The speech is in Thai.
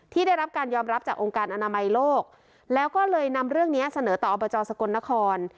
ได้รับการยอมรับจากองค์การอนามัยโลกแล้วก็เลยนำเรื่องนี้เสนอต่ออบจสกลนคร